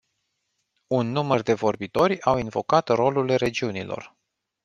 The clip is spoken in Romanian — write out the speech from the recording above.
Un număr de vorbitori au invocat rolul regiunilor.